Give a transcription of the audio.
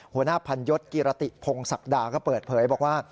หัวหน้าพันยศกิรติพงศักดาก็เปิดเผยบอกว่า